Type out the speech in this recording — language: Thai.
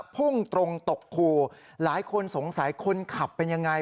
พุ่งตรงตกคูหลายคนสงสัยคนขับเป็นยังไง